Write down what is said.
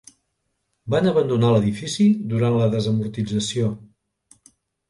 Van abandonar l'edifici durant la desamortització.